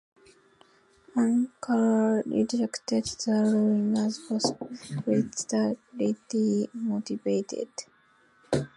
Ankara rejected the ruling as politically motivated.